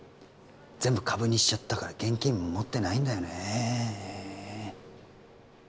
全部株にしちゃったから現金持ってないんだよね